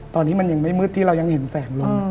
ตอนนี้มันยังไม่มืดที่เรายังเห็นแสงลม